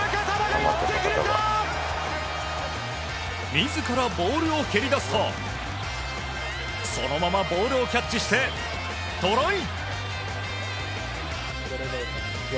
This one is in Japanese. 自らボールを蹴り出すとそのままボールをキャッチしてトライ！